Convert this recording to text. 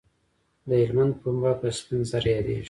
د هلمند پنبه په سپین زر یادیږي